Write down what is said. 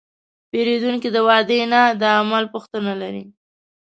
پیرودونکی د وعدې نه، د عمل غوښتنه لري.